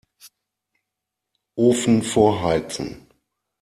Ofen vorheizen.